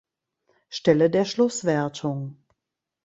Stelle der Schlusswertung.